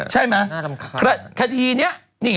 ใช่ไหมคดีนี้